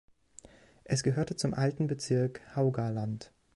Es gehörte zum alten Bezirk Haugaland.